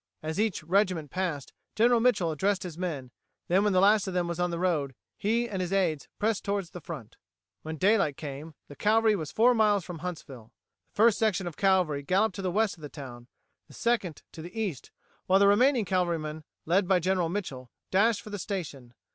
As each regiment passed, General Mitchel addressed his men; then when the last of them was on the road, he and his aides pressed towards the front. When daylight came, the cavalry was four miles from Huntsville. The first section of cavalry galloped to the west of the town, the second to the east, while the remaining cavalrymen, led by General Mitchel, dashed for the station.